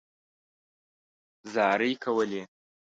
زارۍ کولې.